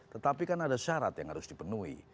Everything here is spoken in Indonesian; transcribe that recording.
tetapi kan ada syarat yang harus dipenuhi